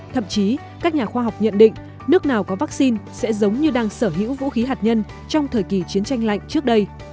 thậm chí các nhà khoa học nhận định nước nào có vaccine sẽ giống như đang sở hữu vũ khí hạt nhân trong thời kỳ chiến tranh lạnh trước đây